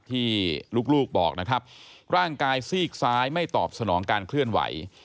ที่ลูกบอกนะครับร่างกายซีกซ้ายไม่ตอบสนองการเคลื่อนไหว